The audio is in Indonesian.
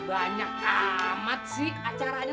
banyak amat sih acaranya